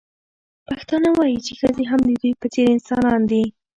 پښتانه وايي چې ښځې هم د دوی په څېر انسانان دي.